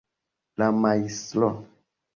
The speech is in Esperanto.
la Majstro